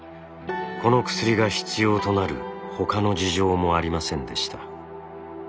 この薬が必要となる他の事情もありませんでした。